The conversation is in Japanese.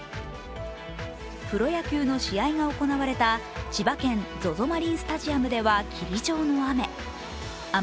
プロ野球の試合が行われた千葉県、ＺＯＺＯマリンスタジアムでは霧状の雨。